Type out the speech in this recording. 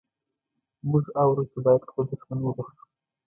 موږ اورو چې باید خپل دښمن وبخښو.